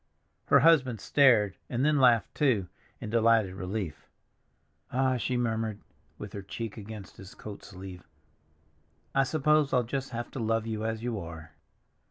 Her husband stared, and then laughed, too, in delighted relief. "Ah," she murmured, with her cheek against his coat sleeve, "I suppose I'll just have to love you as you are!"